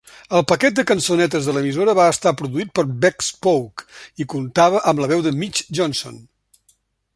El paquet de cançonetes de l"emissora va estar produït per Bespoke i comptava amb la veu de Mitch Johnson.